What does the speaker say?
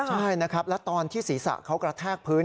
ใช่นะครับแล้วตอนที่ศีรษะเขากระแทกพื้น